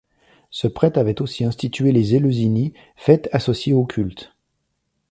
Ce prêtre avait aussi institué les Éleusinies, fêtes associées au culte.